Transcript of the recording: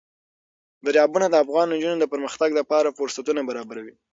دریابونه د افغان نجونو د پرمختګ لپاره فرصتونه برابروي.